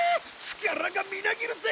力がみなぎるぜ！